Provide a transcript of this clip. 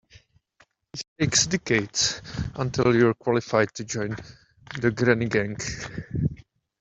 It takes decades until you're qualified to join the granny gang.